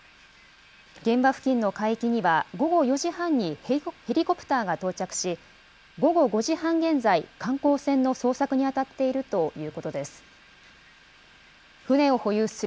現場付近の海域には、午後４時半にヘリコプターが到着し、午後５時半現在、観光船の捜索に当たっているということです。